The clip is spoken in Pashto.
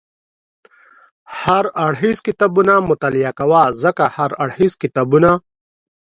هر اړخیز کتابونه مطالعه کوه، ځکه هر اړخیز کتابونه